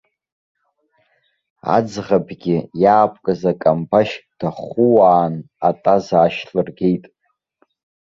Аӡӷабгьы иаапкыз акамбашь дахууаан атаз аашьҭлыргеит.